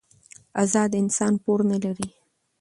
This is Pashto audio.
ازاد انسان پور نه لري.